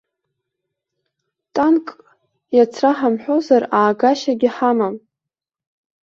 Танкк иацраҳамҳәозар аагашьагьы ҳамам.